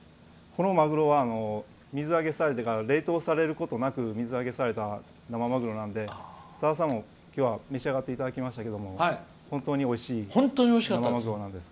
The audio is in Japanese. このマグロは水揚げされてから冷凍されることなく水揚げされた生マグロなんでさださんも今日は召し上がっていただきましたけど本当においしい生マグロなんです。